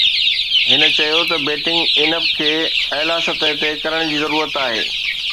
هن چيو ته بيٽنگ ان اپ کي اعليٰ سطح تي ڪرڻ جي ضرورت آهي